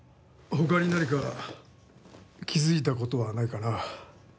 他に何か気づいた事はないかな？